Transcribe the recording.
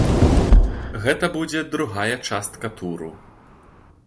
Гэта будзе другая частка туру.